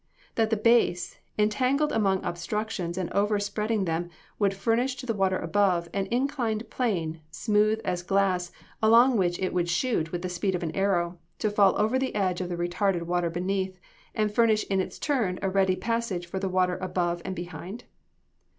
That the base, entangled among obstructions, and overspreading them, would furnish to the water above, an inclined plane, smooth as glass, along which it would shoot with the speed of an arrow, to fall over the edge of the retarded water beneath, and furnish in its turn a ready passage for the water above and behind?